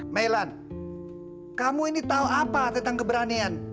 melan kamu ini tahu apa tentang keberanian